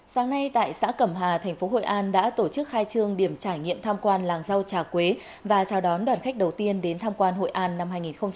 sáng nay tại xã cẩm hà thành phố hội an đã tổ chức khai trương điểm trải nghiệm tham quan làng rau trà quế và chào đón đoàn khách đầu tiên đến tham quan hội an năm hai nghìn hai mươi